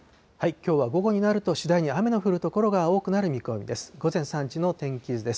きょうは午後になると、次第に雨の降る所が多くなる見込みです。